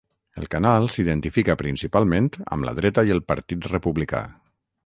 El canal s'identifica principalment amb la dreta i el Partit Republicà.